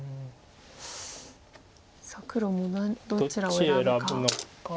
さあ黒もどちらを選ぶか。